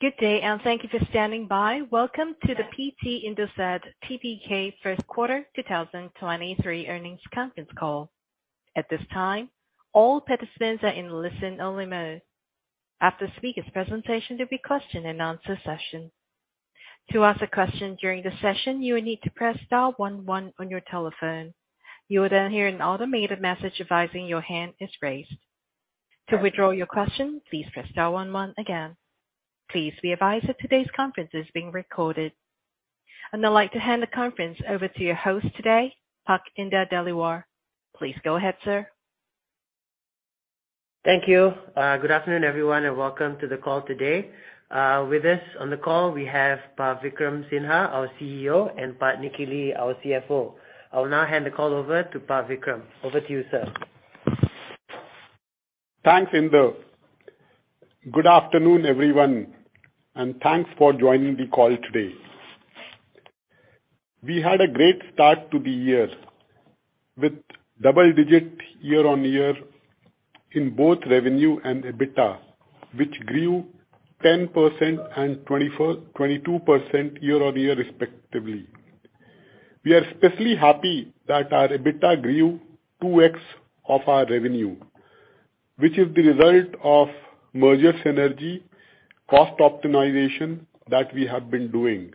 Good day. Thank you for standing by. Welcome to the PT Indosat Tbk first quarter 2023 earnings conference call. At this time, all participants are in listen-only mode. After the speaker's presentation, there'll be question and answer session. To ask a question during the session, you will need to press star one one on your telephone. You will then hear an automated message advising your hand is raised. To withdraw your question, please press star one one again. Please be advised that today's conference is being recorded. I'd like to hand the conference over to your host today, Pak Indar Dhaliwal. Please go ahead, sir. Thank you. Good afternoon, everyone, and welcome to the call today. With us on the call, we have Pak Vikram Sinha, our CEO, and Pak Nicky Lee, our CFO. I will now hand the call over to Pak Vikram. Over to you, sir. Thanks, Indar. Good afternoon, everyone, thanks for joining the call today. We had a great start to the year, with double-digit year-on-year in both revenue and EBITDA, which grew 10% and 22% year-on-year, respectively. We are especially happy that our EBITDA grew 2x of our revenue, which is the result of merger synergy, cost optimization that we have been doing.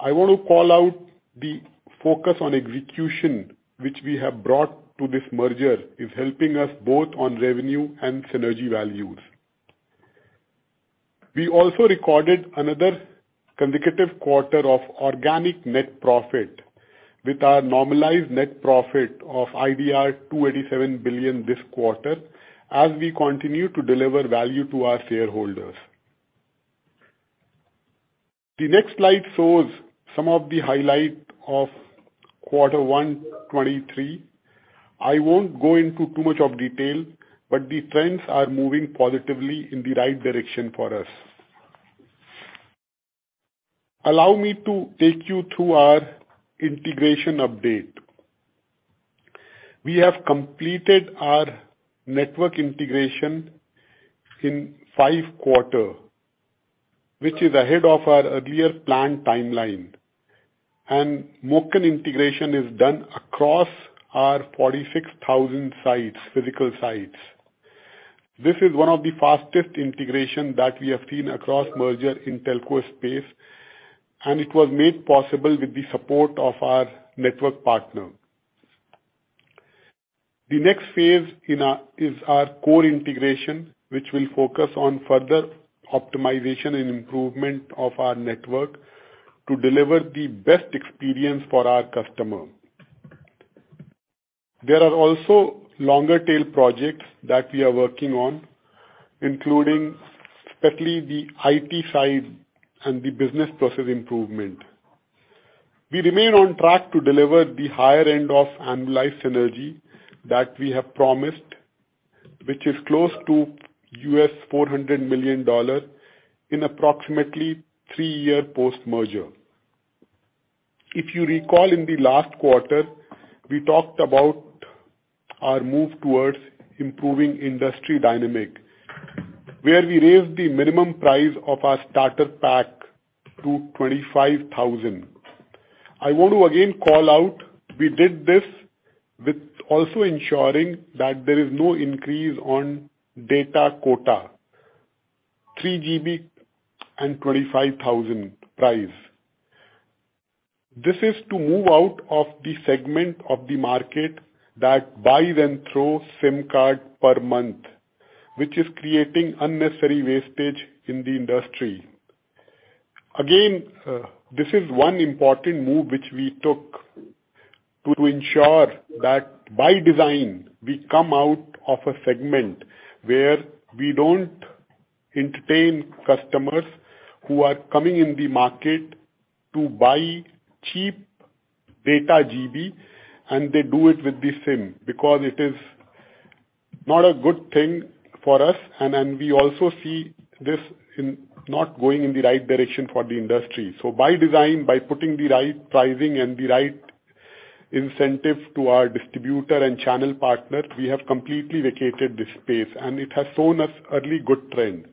I want to call out the focus on execution, which we have brought to this merger, is helping us both on revenue and synergy values. We also recorded another consecutive quarter of organic net profit with our normalized net profit of IDR 287 billion this quarter as we continue to deliver value to our shareholders. The next slide shows some of the highlight of quarter one 2023. I won't go into too much of detail, but the trends are moving positively in the right direction for us. Allow me to take you through our integration update. We have completed our network integration in 5 quarters, which is ahead of our earlier planned timeline. MOCN integration is done across our 46,000 sites, physical sites. This is one of the fastest integration that we have seen across merger in telco space, and it was made possible with the support of our network partner. The next phase is our core integration, which will focus on further optimization and improvement of our network to deliver the best experience for our customer. There are also longer tail projects that we are working on, including especially the IT side and the business process improvement. We remain on track to deliver the higher end of annualized synergy that we have promised, which is close to $400 million in approximately 3-year post-merger. If you recall in the last quarter, we talked about our move towards improving industry dynamic, where we raised the minimum price of our starter pack to 25,000. I want to again call out we did this with also ensuring that there is no increase on data quota, 3 GB and 25,000 price. This is to move out of the segment of the market that buy and throw SIM card per month, which is creating unnecessary wastage in the industry. Again, this is one important move which we took to ensure that by design we come out of a segment where we don't entertain customers who are coming in the market to buy cheap data GB, and they do it with the SIM because it is not a good thing for us. We also see this in not going in the right direction for the industry. By design, by putting the right pricing and the right incentive to our distributor and channel partner, we have completely vacated this space, and it has shown us early good trend.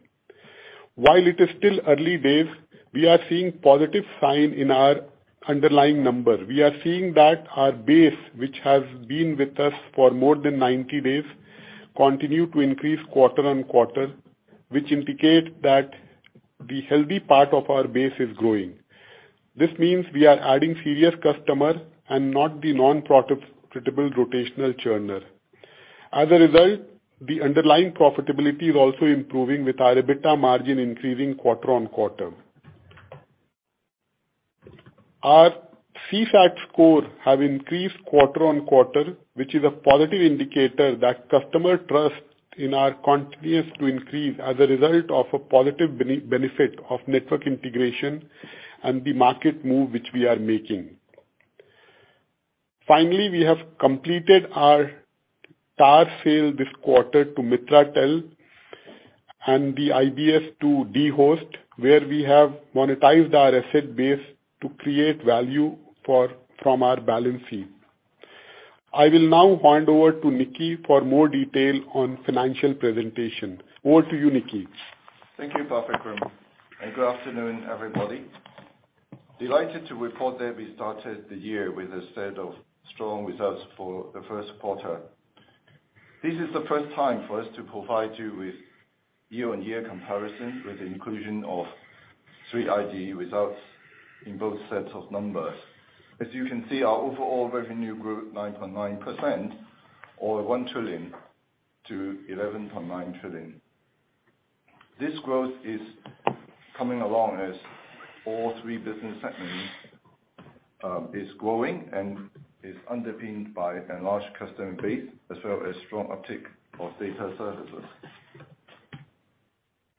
While it is still early days, we are seeing positive sign in our underlying number. We are seeing that our base, which has been with us for more than 90 days, continue to increase quarter on quarter, which indicate that the healthy part of our base is growing. This means we are adding serious customer and not the non-profitable rotational churner. As a result, the underlying profitability is also improving with our EBITDA margin increasing quarter-on-quarter. Our CSAT score have increased quarter-on-quarter which is a positive indicator that customer trust in our continues to increase as a result of a positive benefit of network integration and the market move which we are making. Finally, we have completed our tower sale this quarter to Mitratel and the IBS to dhost where we have monetized our asset base to create value for, from our balance sheet. I will now hand over to Nicky for more detail on financial presentation. Over to you, Nicky. Thank you, Pak Indar, Good afternoon, everybody. Delighted to report that we started the year with a set of strong results for the first quarter. This is the first time for us to provide you with year-on-year comparison with the inclusion of Tri results in both sets of numbers. As you can see, our overall revenue grew 9.9% or 1 trillion-11.9 trillion. This growth is coming along as all three business segments is growing and is underpinned by enlarged customer base as well as strong uptick of data services.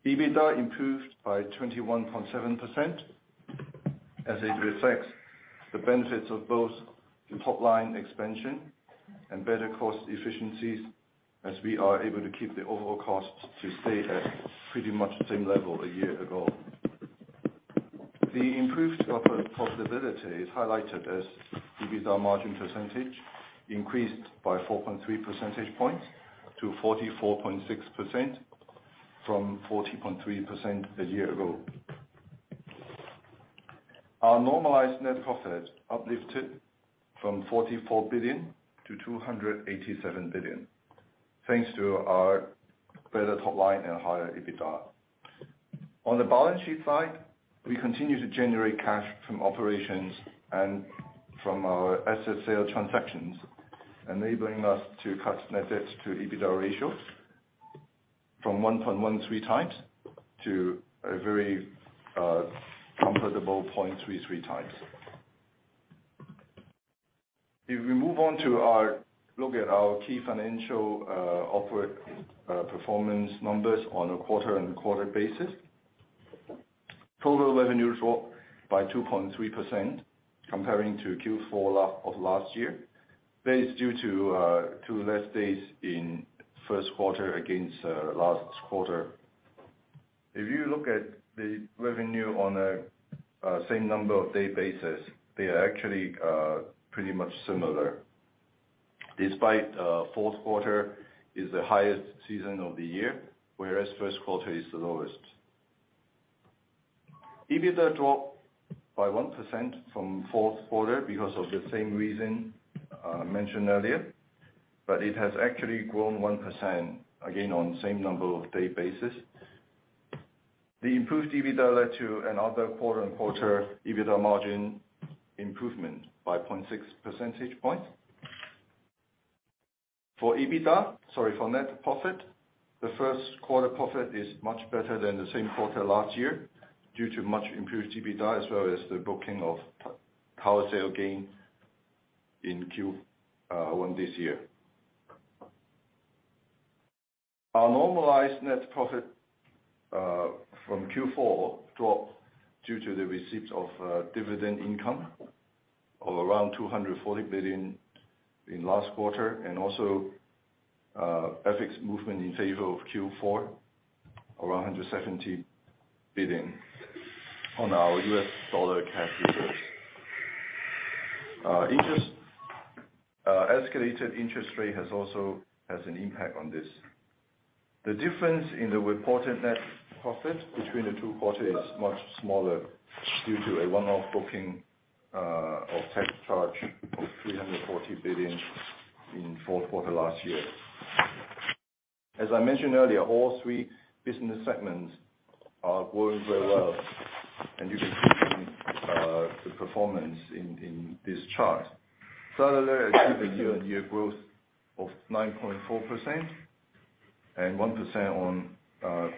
EBITDA improved by 21.7% as it reflects the benefits of both the top line expansion and better cost efficiencies as we are able to keep the overall cost to stay at pretty much the same level a year ago. The improved profitability is highlighted as EBITDA margin percentage increased by 4.3 percentage points to 44.6% from 14.3% year ago. Our normalized net profit uplifted from 44 billion-287 billion, thanks to our better top line and higher EBITDA. On the balance sheet side, we continue to generate cash from operations and from our asset sale transactions, enabling us to cut net debt to EBITDA ratio from 1.13x to a very comfortable 0.33x. If we move on to look at our key financial performance numbers on a quarter-on-quarter basis. Total revenues dropped by 2.3% comparing to Q4 of last year. That is due to two less days in first quarter against last quarter. If you look at the revenue on a same number of day basis, they are actually pretty much similar. Despite fourth quarter is the highest season of the year, whereas first quarter is the lowest. EBITDA dropped by 1% from fourth quarter because of the same reason I mentioned earlier. It has actually grown 1% again on same number of day basis. The improved EBITDA led to another quarter-on-quarter EBITDA margin improvement by 0.6 percentage points. For net profit, the first quarter profit is much better than the same quarter last year due to much improved EBITDA as well as the booking of power sale gain in Q one this year. Our normalized net profit from Q4 dropped due to the receipt of dividend income of around 240 billion in last quarter. Also, FX movement in favor of Q4, around $170 billion on our US dollar cash reserves. Escalated interest rate has also has an impact on this. The difference in the reported net profit between the two quarters is much smaller due to a one-off booking of tax charge of 340 billion in 4th quarter last year. As I mentioned earlier, all three business segments are growing very well, and you can see the performance in this chart. Cellular achieved a year-on-year growth of 9.4% and 1% on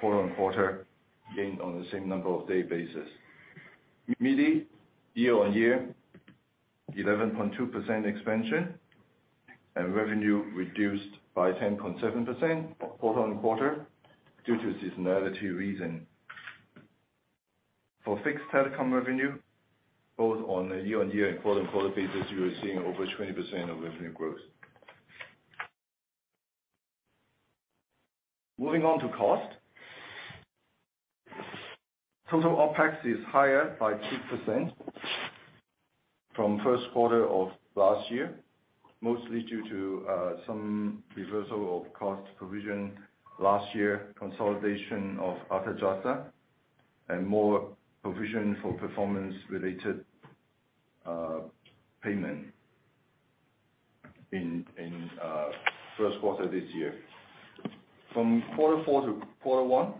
quarter-on-quarter gain on the same number of day basis. Immediately, year-on-year, 11.2% expansion and revenue reduced by 10.7% quarter-on-quarter due to seasonality reason. For fixed telecom revenue, both on a year-on-year and quarter-on-quarter basis, you are seeing over 20% of revenue growth. Moving on to cost. Total OpEx is higher by 2% from first quarter of last year, mostly due to some reversal of cost provision last year, consolidation of other JASA, and more provision for performance-related payment in first quarter this year. From quarter four to quarter one,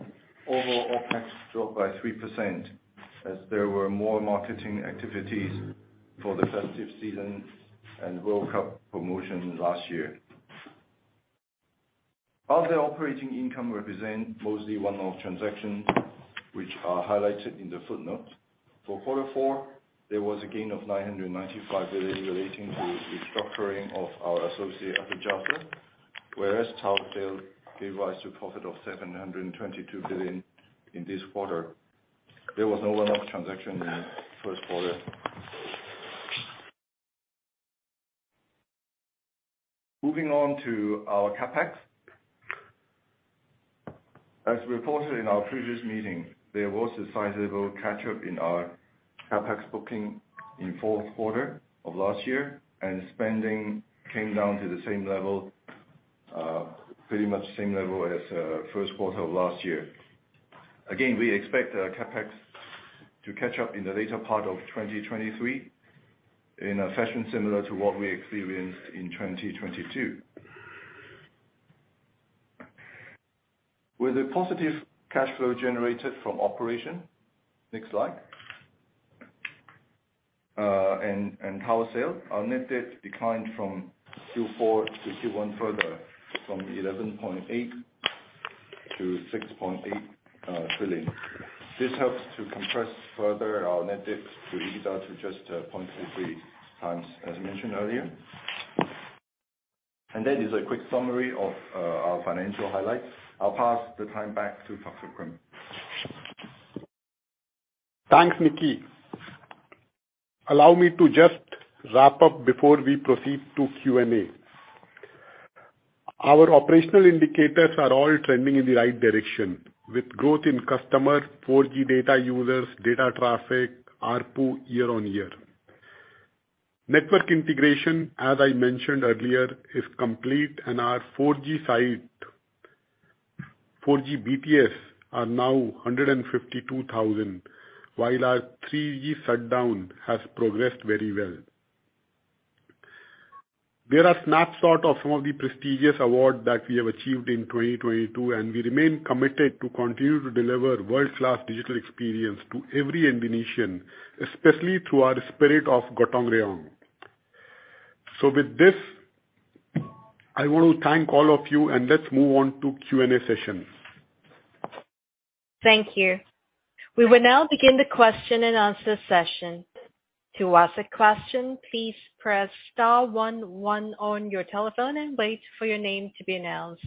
overall OpEx dropped by 3% as there were more marketing activities for the festive season and World Cup promotion last year. Other operating income represent mostly one-off transactions which are highlighted in the footnote. For Q4, there was a gain of 995 billion relating to restructuring of our associate at JASA, whereas tower sale gave rise to profit of 722 billion in this quarter. There was no one-off transaction in 1Q. Moving on to our CapEx. As reported in our previous meeting, there was a sizable catch-up in our CapEx booking in Q4 of last year, and spending came down to the same level, pretty much same level as 1Q of last year. Again, we expect CapEx to catch up in the later part of 2023 in a fashion similar to what we experienced in 2022. With a positive cash flow generated from operation, next slide. Tower sale, our net debt declined from 2.4-2.1 further, from 11.8 billion-6.8 billion. This helps to compress further our net debt to EBITDA to just 0.23x, as mentioned earlier. That is a quick summary of our financial highlights. I'll pass the time back to Dr. Vikram. Thanks, Nicky. Allow me to just wrap up before we proceed to Q&A. Our operational indicators are all trending in the right direction, with growth in customer, 4G data users, data traffic, ARPU year-on-year. Network integration, as I mentioned earlier, is complete, and our 4G site, 4G BTS are now 152,000, while our 3G shutdown has progressed very well. There are snapshot of some of the prestigious awards that we have achieved in 2022, and we remain committed to continue to deliver world-class digital experience to every Indonesian, especially through our spirit of Gotong Royong. With this, I want to thank all of you, and let's move on to Q&A session. Thank you. We will now begin the question-and-answer session. To ask a question, please press star one one on your telephone and wait for your name to be announced.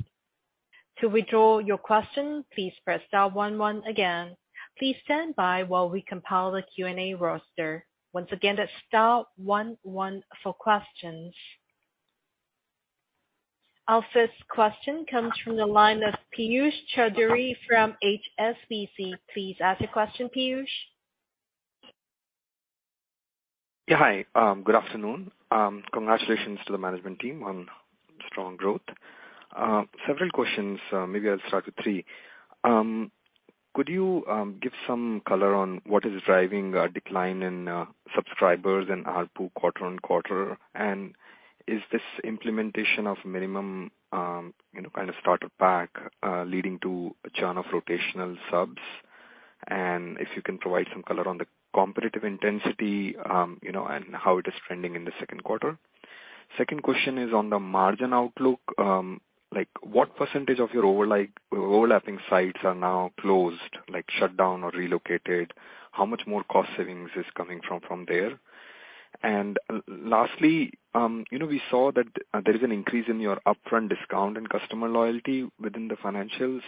To withdraw your question, please press star one one again. Please stand by while we compile the Q&A roster. Once again, that's star one one for questions. Our first question comes from the line of Piyush Choudhary from HSBC. Please ask your question, Piyush. Yeah. Hi. Good afternoon. Congratulations to the management team on strong growth. Several questions. Maybe I'll start with 3. Could you give some color on what is driving decline in subscribers and ARPU quarter on quarter? Is this implementation of minimum, you know, kind of starter pack, leading to a churn of rotational subs? If you can provide some color on the competitive intensity, you know, and how it is trending in the second quarter. Second question is on the margin outlook. Like, what percentage of your overlapping sites are now closed, like shut down or relocated? How much more cost savings is coming from there? Lastly, you know, we saw that there is an increase in your upfront discount and customer loyalty within the financials.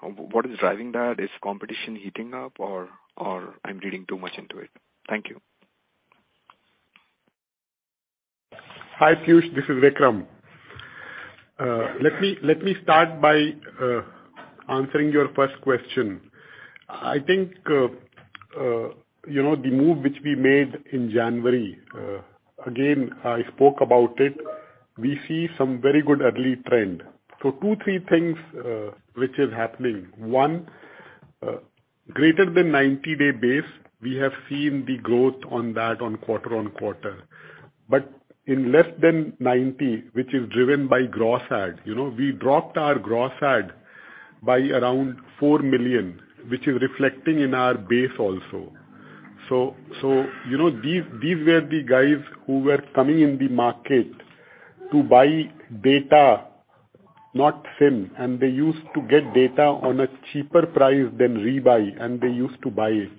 What is driving that? Is competition heating up or I'm reading too much into it? Thank you. Hi, Piyush, this is Vikram. Let me start by answering your first question. I think, you know, the move which we made in January, again, I spoke about it. We see some very good early trend. Two, three things which is happening. One, greater than 90-day base, we have seen the growth on that on quarter-over-quarter. In less than 90, which is driven by gross add, you know, we dropped our gross add by around 4 million, which is reflecting in our base also. You know, these were the guys who were coming in the market to buy data, not SIM, and they used to get data on a cheaper price than rebuy, and they used to buy it.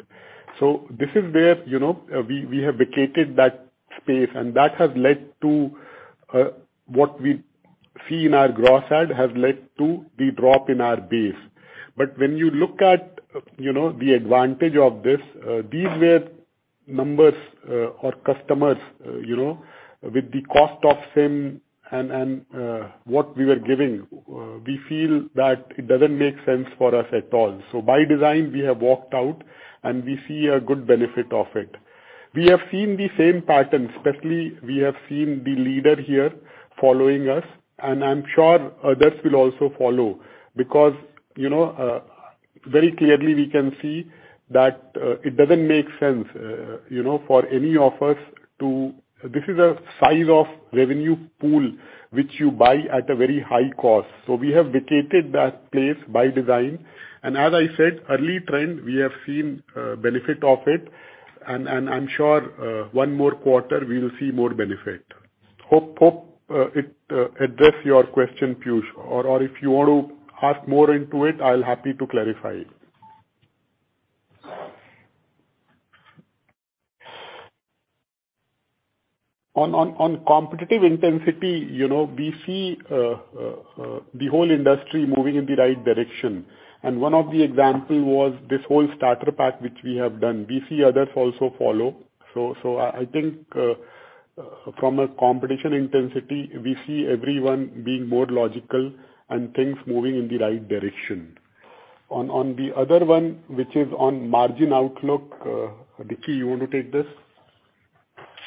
This is where, you know, we have vacated that space, and that has led to what we see in our gross add, has led to the drop in our base. When you look at, you know, the advantage of this, these were numbers or customers, you know, with the cost of SIM and what we were giving, we feel that it doesn't make sense for us at all. By design, we have walked out, and we see a good benefit of it. We have seen the same pattern, especially we have seen the leader here following us, and I'm sure others will also follow because, you know, very clearly we can see that it doesn't make sense, you know, for any of us to... This is a size of revenue pool which you buy at a very high cost. We have vacated that place by design. As I said, early trend, we have seen benefit of it. I'm sure, one more quarter we will see more benefit. Hope it address your question, Piyush. If you want to ask more into it, I'll happy to clarify it. On competitive intensity, you know, we see the whole industry moving in the right direction. One of the example was this whole starter pack which we have done. We see others also follow. I think, from a competition intensity, we see everyone being more logical and things moving in the right direction. On the other one, which is on margin outlook, Nicky, you wanna take this?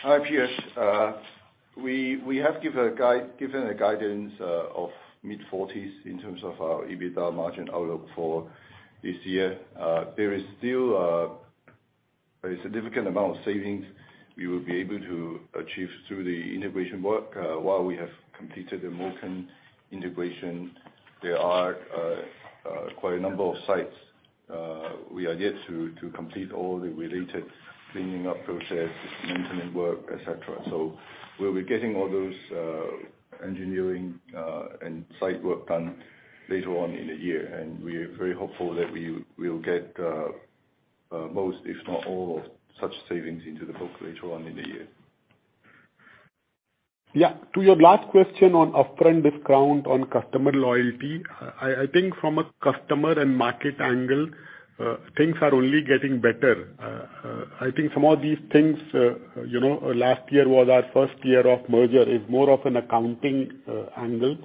Hi, Piyush. We have given a guidance of mid-40s in terms of our EBITDA margin outlook for this year. There is still a very significant amount of savings we will be able to achieve through the integration work. While we have completed the MOCN integration, there are quite a number of sites we are yet to complete all the related cleaning up process, maintenance work, et cetera. We'll be getting all those engineering and site work done later on in the year, and we are very hopeful that we will get most if not all of such savings into the book later on in the year. Yeah. To your last question on upfront discount on customer loyalty, I think from a customer and market angle, things are only getting better. I think some of these things, you know, last year was our first year of merger, is more of an accounting, angle.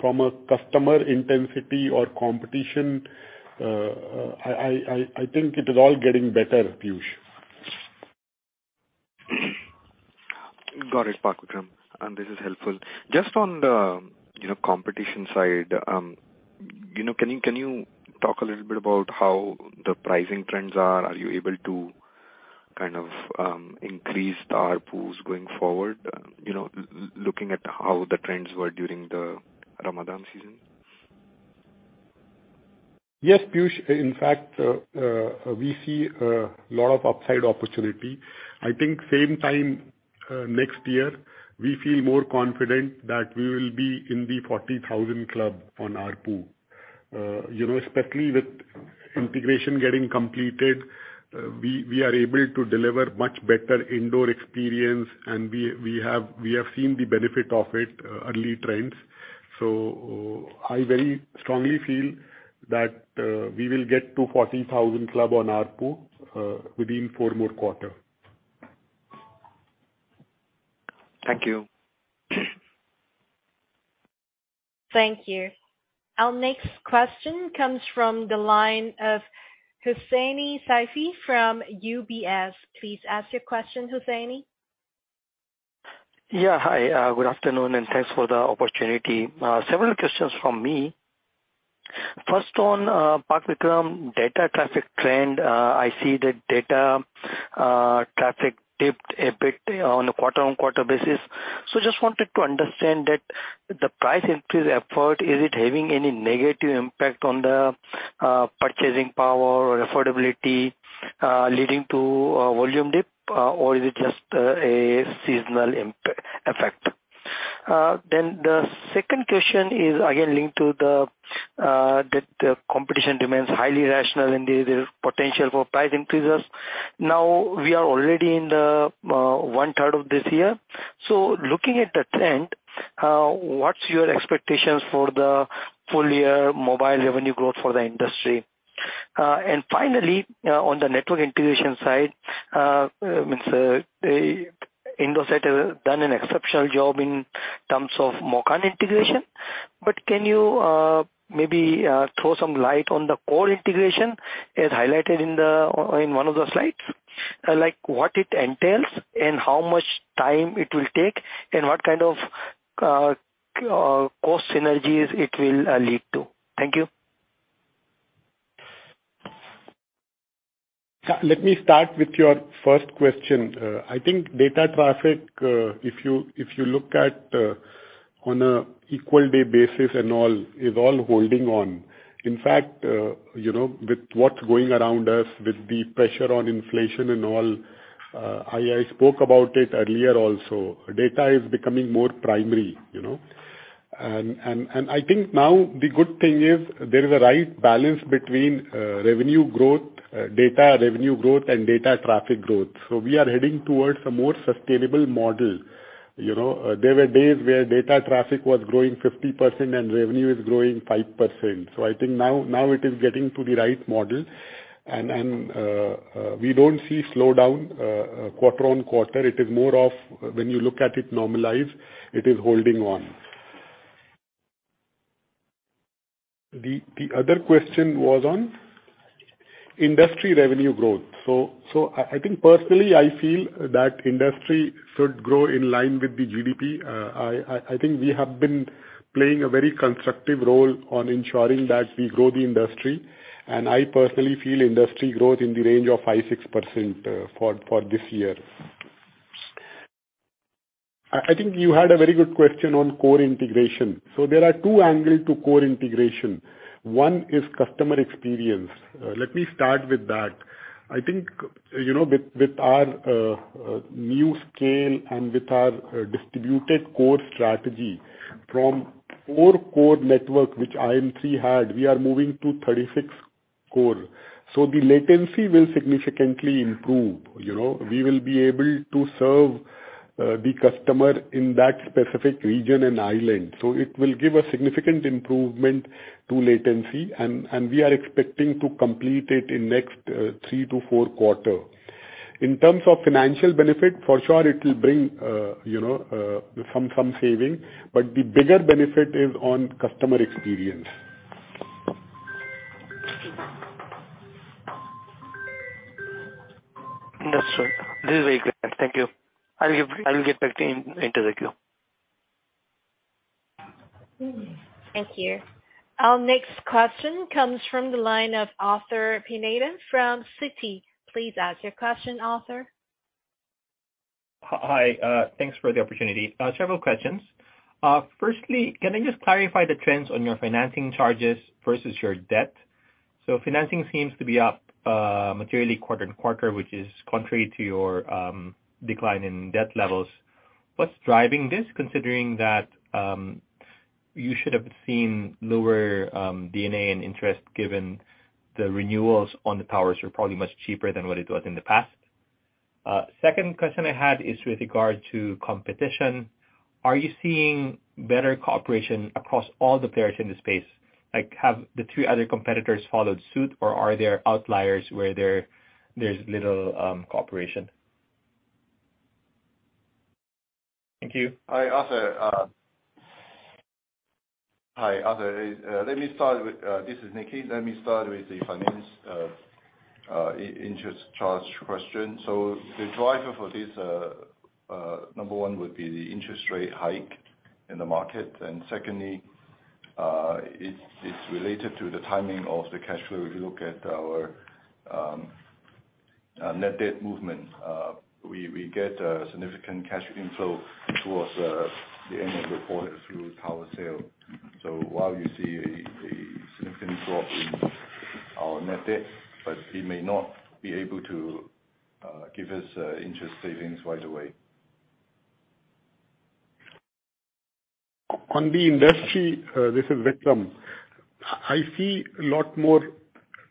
From a customer intensity or competition, I think it is all getting better, Piyush. Got it, Pak Vikram, and this is helpful. Just on the, you know, competition side, you know, can you talk a little bit about how the pricing trends are? Are you able to kind of increase the ARPUs going forward, you know, looking at how the trends were during the Ramadan season? Piyush. In fact, we see a lot of upside opportunity. I think same time next year, we feel more confident that we will be in the 40,000 club on ARPU. You know, especially with integration getting completed, we are able to deliver much better indoor experience, and we have seen the benefit of it, early trends. I very strongly feel that we will get to 40,000 club on ARPU within 4 more quarters. Thank you. Thank you. Our next question comes from the line of Hussaini Saifee from UBS. Please ask your question, Hussaini. Yeah. Hi, good afternoon, and thanks for the opportunity. Several questions from me. First on Pak Vikram, data traffic trend. I see the data traffic dipped a bit on a quarter-on-quarter basis. Just wanted to understand that the price increase effort, is it having any negative impact on the purchasing power or affordability, leading to a volume dip? Or is it just a seasonal effect? The second question is again linked to the that the competition remains highly rational and there is potential for price increases. Now, we are already in the one third of this year. Looking at the trend, what's your expectations for the full-year mobile revenue growth for the industry? Finally, on the network integration side, means, Indosat has done an exceptional job in terms of MOCN integration. Can you, maybe, throw some light on the core integration as highlighted in one of the slides? Like, what it entails and how much time it will take and what kind of, cost synergies it will, lead to? Thank you. Let me start with your first question. I think data traffic, if you, if you look at, on an equal day basis and all, is all holding on. In fact, you know, with what's going around us, with the pressure on inflation and all, I spoke about it earlier also. Data is becoming more primary, you know. I think now the good thing is there is a right balance between revenue growth, data revenue growth and data traffic growth. We are heading towards a more sustainable model, you know. There were days where data traffic was growing 50% and revenue is growing 5%. I think now it is getting to the right model. We don't see slowdown quarter-on-quarter. It is more of when you look at it normalized, it is holding on. The other question was on industry revenue growth. I think personally, I feel that industry should grow in line with the GDP. I think we have been playing a very constructive role on ensuring that we grow the industry. I personally feel industry growth in the range of 5%-6% for this year. I think you had a very good question on core integration. There are two angle to core integration. One is customer experience. Let me start with that. I think, you know, with our new scale and with our distributed core strategy from 4 core network which H3I had, we are moving to 36 core. The latency will significantly improve. You know, we will be able to serve the customer in that specific region and island. It will give a significant improvement to latency, and we are expecting to complete it in next 3-4 quarter. In terms of financial benefit, for sure it will bring, you know, some saving, but the bigger benefit is on customer experience. That's right. This is very clear. Thank you. I will get back to you into the queue. Thank you. Our next question comes from the line of Arthur Pineda from Citi. Please ask your question, Arthur. Hi. Hi, thanks for the opportunity. Several questions. Firstly, can I just clarify the trends on your financing charges versus your debt? Financing seems to be up materially quarter-over-quarter, which is contrary to your decline in debt levels. What's driving this considering that you should have seen lower D&A and interest given the renewals on the towers are probably much cheaper than what it was in the past. Second question I had is with regard to competition. Are you seeing better cooperation across all the players in the space? Like have the two other competitors followed suit or are there outliers where there's little cooperation? Thank you. Hi, Arthur. This is Nicky. Let me start with the finance interest charge question. The driver for this number one would be the interest rate hike in the market. Secondly, it is related to the timing of the cash flow. If you look at our net debt movement, we get a significant cash inflow towards the end of the quarter through tower sale. While you see a significant drop in our net debt, but it may not be able to give us interest savings right away. On the industry, this is Vikram. I see a lot more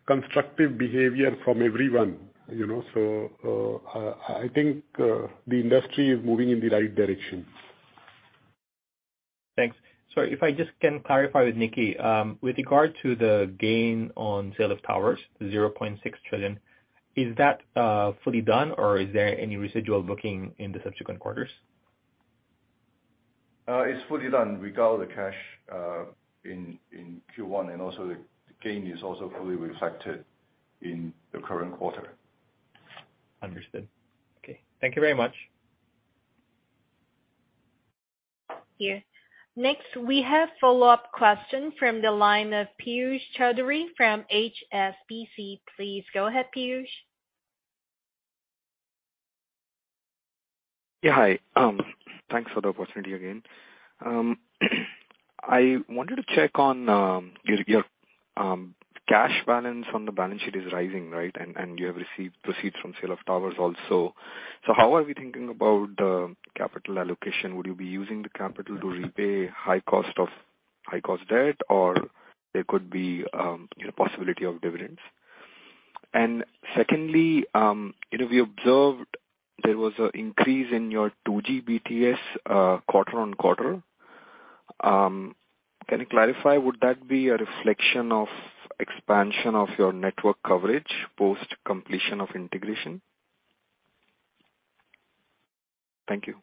constructive behavior from everyone, you know? I think the industry is moving in the right direction. Thanks. Sorry, if I just can clarify with Nicky. With regard to the gain on sale of towers, 0.6 trillion, is that fully done or is there any residual booking in the subsequent quarters? It's fully done. We got all the cash in Q1 and also the gain is also fully reflected in the current quarter. Understood. Okay. Thank you very much. Yes. Next, we have follow-up question from the line of Piyush Choudhary from HSBC. Please go ahead, Piyush. Yeah, hi. Thanks for the opportunity again. I wanted to check on your cash balance on the balance sheet is rising, right? You have received proceeds from sale of towers also. How are we thinking about capital allocation? Would you be using the capital to repay high cost debt or there could be, you know, possibility of dividends? Secondly, you know, we observed there was an increase in your 2G BTS quarter-on-quarter. Can you clarify, would that be a reflection of expansion of your network coverage post completion of integration? Thank you.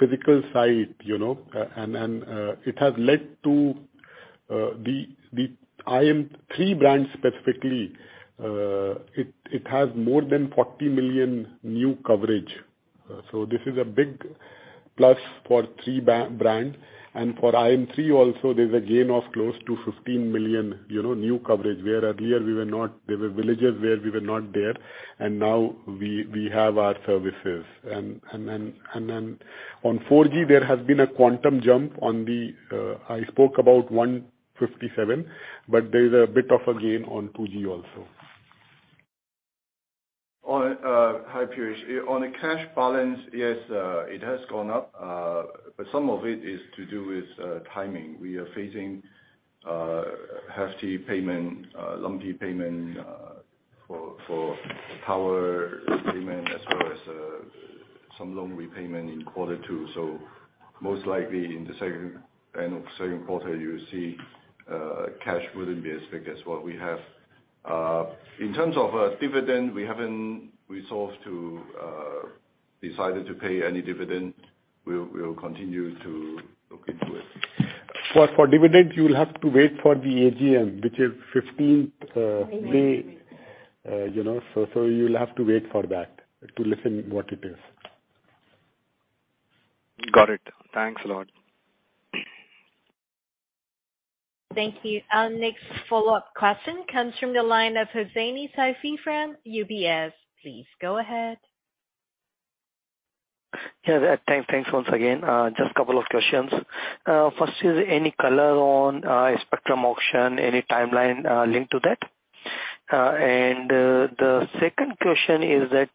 Is a transcript of the podcast, "The Daily," from The New York Times. **Speaker 1:** From The New York Times, I'm Michael Barbaro. This is The Daily. **Speaker 2:** Today, the story of a small town in have. In terms of dividend, we haven't resolved to decided to pay any dividend. We'll continue to look into it. For dividends, you'll have to wait for the AGM, which is 15th May, you know. You'll have to wait for that to listen what it is. Got it. Thanks a lot. Thank you. Our next follow-up question comes from the line of Hussaini Saifee from UBS. Please go ahead. Thanks, once again. Just a couple of questions. First is any color on spectrum auction, any timeline linked to that? The second question is that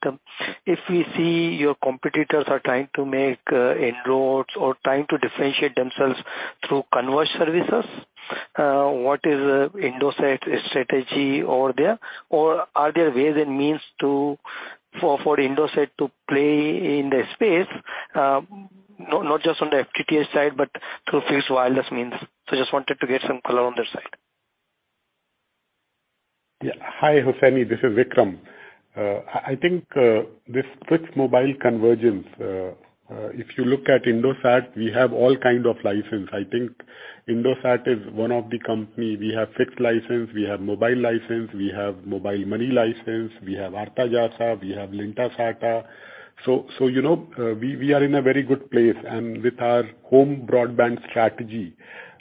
if we see your competitors are trying to make inroads or trying to differentiate themselves through converge services, what is Indosat's strategy over there? Are there ways and means for Indosat to play in the space, not just on the FTTH side, but through fixed wireless means? Just wanted to get some color on that side. Yeah. Hi, Hussaini. This is Vikram. I think, this fixed mobile convergence, if you look at Indosat, we have all kind of license. I think Indosat is one of the company, we have fixed license, we have mobile license, we have mobile money license, we have Artajasa, we have Lintasarta. You know, we are in a very good place. With our home broadband strategy,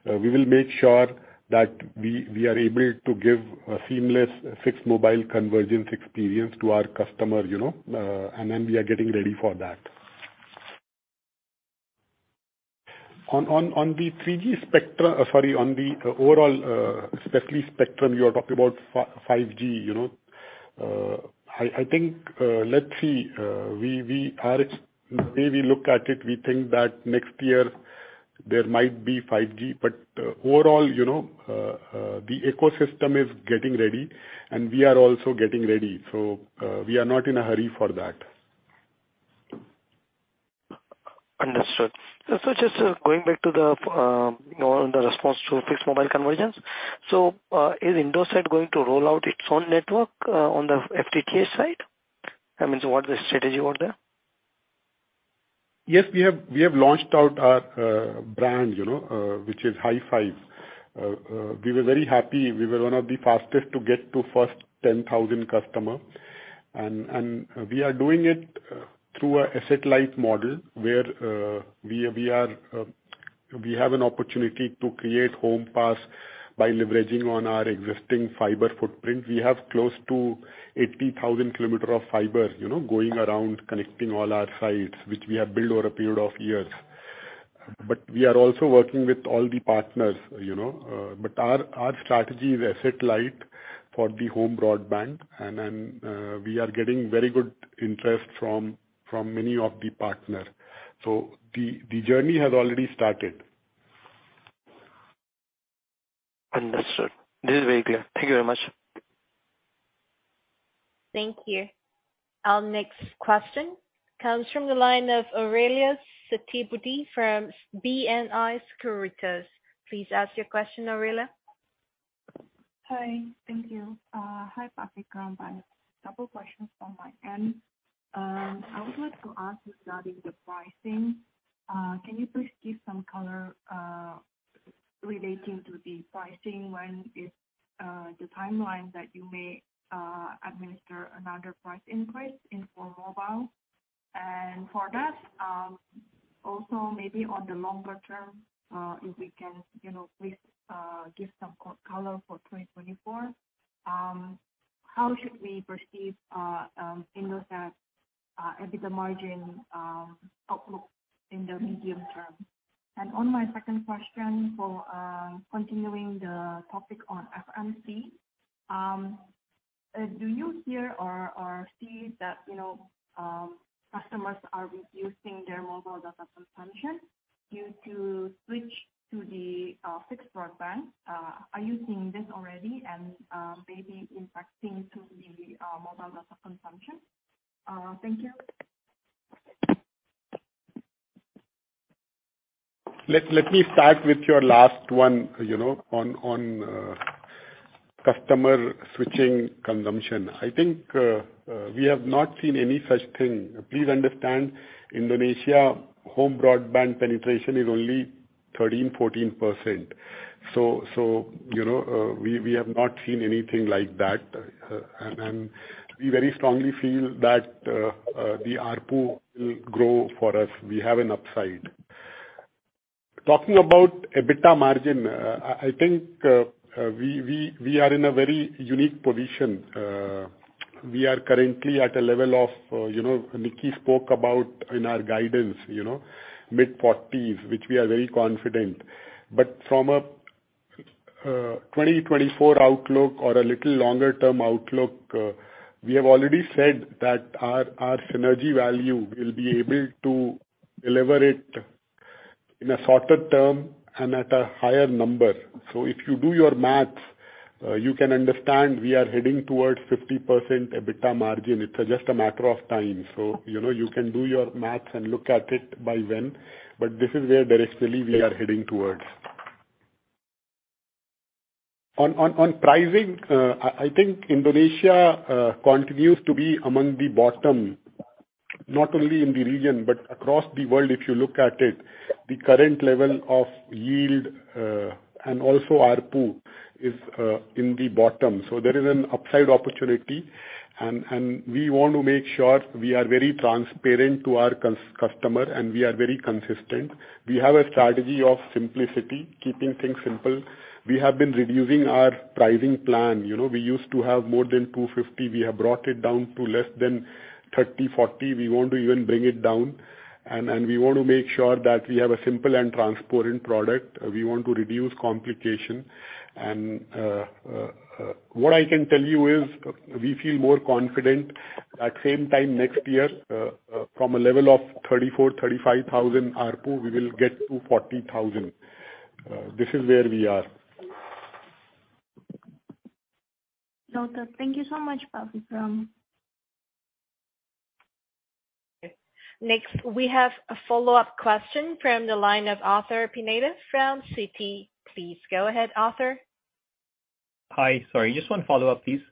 we will make sure that we are able to give a seamless fixed mobile convergence experience to our customer, you know, we are getting ready for that. On the 3G, sorry, on the overall, especially spectrum, you are talking about 5G, you know. I think, let's see. The way we look at it, we think that next year there might be 5G. Overall, you know, the ecosystem is getting ready, and we are also getting ready. We are not in a hurry for that. Understood. Just going back to the, you know, the response to Fixed Mobile Convergence. Is Indosat going to roll out its own network on the FTTH side? I mean, what's the strategy over there? Yes, we have launched out our brand, you know, which is Hi-5. We were very happy. We were one of the fastest to get to first 10,000 customer. We are doing it through a asset-light model, where we have an opportunity to create home pass by leveraging on our existing fiber footprint. We have close to 80,000 km of fiber, you know, going around connecting all our sites, which we have built over a period of years. We are also working with all the partners, you know. Our strategy is asset-light for the home broadband, and then we are getting very good interest from many of the partner. The journey has already started. Understood. This is very clear. Thank you very much. Thank you. Our next question comes from the line of Aurellia Setiabudi from BNI Sekuritas. Please ask your question, Aurellia. Hi. Thank you. Hi, Pak Nicky and Vikram. A couple questions from my end. I would like to ask regarding the pricing. Can you please give some color relating to the pricing? When is the timeline that you may administer another price increase for mobile? For that, also maybe on the longer term, if we can, you know, please give some color for 2024, how should we perceive Indosat EBITDA margin outlook in the medium term? On my second question for continuing the topic on FMC, do you hear or see that, you know, customers are reducing their mobile data consumption due to switch to the fixed broadband? Are you seeing this already and maybe impacting to the mobile data consumption? Thank you. Let me start with your last one, you know, on customer switching consumption. I think we have not seen any such thing. Please understand, Indonesia home broadband penetration is only 13%-14%. You know, we have not seen anything like that. We very strongly feel that the ARPU will grow for us. We have an upside. Talking about EBITDA margin, I think we are in a very unique position. We are currently at a level of, you know, Nicky spoke about in our guidance, you know, mid-40s, which we are very confident. From a 2024 outlook or a little longer-term outlook, we have already said that our synergy value will be able to deliver it in a shorter term and at a higher number. If you do your maths, you can understand we are heading towards 50% EBITDA margin. It's just a matter of time. You know, you can do your maths and look at it by when, but this is where directly we are heading towards. On pricing, I think Indonesia continues to be among the bottom, not only in the region, but across the world, if you look at it. The current level of yield and also ARPU is in the bottom. There is an upside opportunity. We want to make sure we are very transparent to our customer, and we are very consistent. We have a strategy of simplicity, keeping things simple. We have been reducing our pricing plan. You know, we used to have more than 250. We have brought it down to less than 30, 40. We want to even bring it down. We want to make sure that we have a simple and transparent product. We want to reduce complication. What I can tell you is we feel more confident at same time next year, from a level of 34,000-35,000 ARPU, we will get to 40,000. This is where we are. Note it. Thank you so much, Pak Vikram. Next, we have a follow-up question from the line of Arthur Pineda from Citi. Please go ahead, Arthur. Hi. Sorry, just one follow-up, please.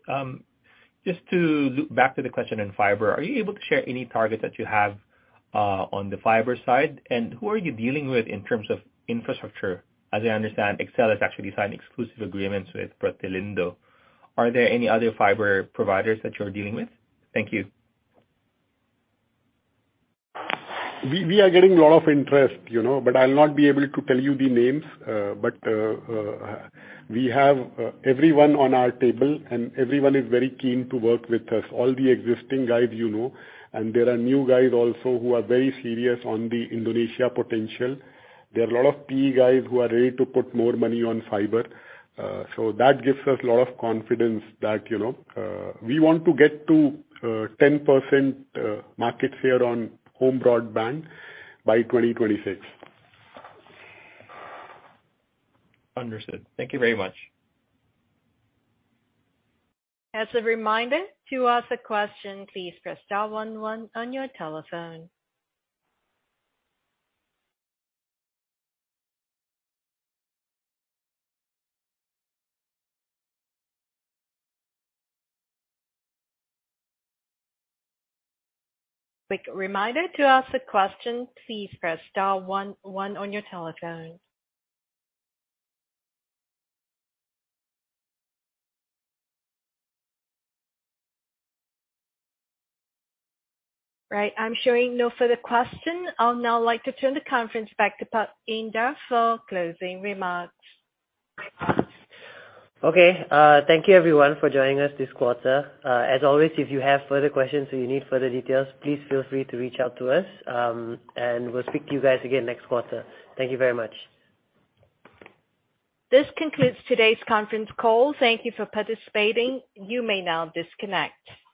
just to loop back to the question on fiber, are you able to share any targets that you have, on the fiber side? Who are you dealing with in terms of infrastructure? As I understand, XL has actually signed exclusive agreements with FiberStar. Are there any other fiber providers that you're dealing with? Thank you. We are getting a lot of interest, you know, I'll not be able to tell you the names. We have everyone on our table, and everyone is very keen to work with us. All the existing guys you know, there are new guys also who are very serious on the Indonesia potential. There are a lot of PE guys who are ready to put more money on fiber. That gives us a lot of confidence that, you know, we want to get to 10% market share on home broadband by 2026. Understood. Thank you very much. As a reminder, to ask a question, please press star one one on your telephone. Quick reminder, to ask a question, please press star one one on your telephone. Right. I'm showing no further question. I'll now like to turn the conference back to Indar for closing remarks. Okay. Thank you everyone for joining us this quarter. As always, if you have further questions or you need further details, please feel free to reach out to us, and we'll speak to you guys again next quarter. Thank you very much. This concludes today's conference call. Thank you for participating. You may now disconnect.